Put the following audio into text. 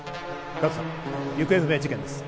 加藤さん、行方不明事件です。